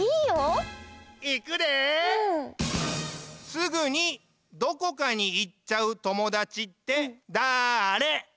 すぐにどこかにいっちゃうともだちってだあれ？